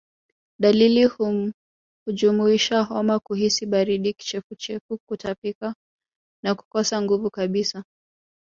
Dalili hujumuisha homa kuhisi baridi kichefuchefu Kutapika na kukosa nguvu kabisa